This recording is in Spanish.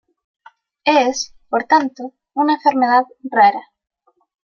Es, por tanto, una enfermedad rara.